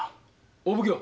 ・お奉行。